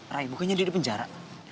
rai pokoknya dia di penjara